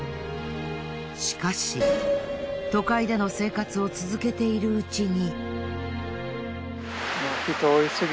しかし都会での生活を続けているうちに。